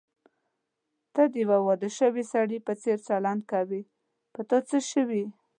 ته د یوه واده شوي سړي په څېر چلند کوې، په تا څه شوي؟